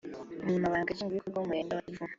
Umunyamabanga nshingwabikorwa w’Umurenge wa Kivumu